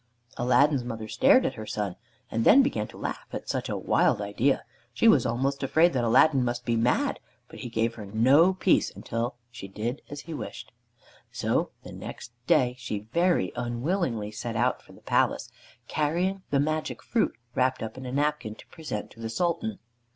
Aladdin's mother stared at her son, and then began to laugh at such a wild idea. She was almost afraid that Aladdin must be mad, but he gave her no peace until she did as he wished. So the next day she very unwillingly set out for the palace, carrying the magic fruit wrapped up in a napkin, to present to the Sultan.